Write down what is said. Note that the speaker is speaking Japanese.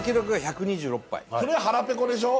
それ腹ペコでしょ？